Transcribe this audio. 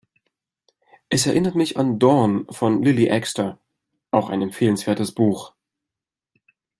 Es erinnert mich an "Dorn" von Lilly Axster, auch ein empfehlenswertes Buch.